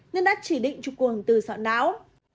nên đã chỉ định chụp cụ hình tư sọ não